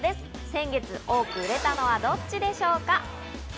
先月、多く売れたのはどっちでしょうか？